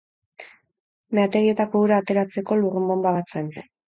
Meategietako ura ateratzeko lurrun-bonba bat zen.